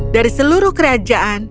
dari seluruh kerajaan